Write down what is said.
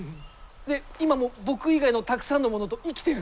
今も僕以外のたくさんのものと生きてる。